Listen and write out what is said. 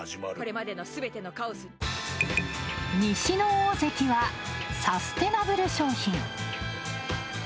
西の大関はサスティナブル商品。